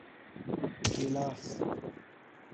🍒 ګېلاس